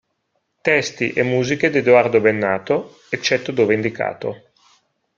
Testi e musiche di Edoardo Bennato, eccetto dove indicato.